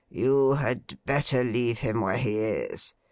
You had better leave him where he is.